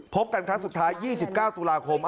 พบกันครั้งสุดท้าย๒๙ตุลาคม